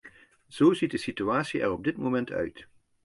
Zo ziet de situatie er op dit moment uit.